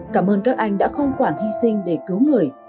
cảm ơn các anh đã không quản hy sinh để cứu người